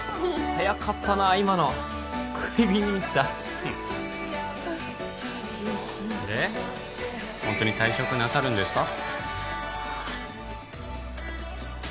早かったな今の食い気味にきたでホントに退職なさるんですか？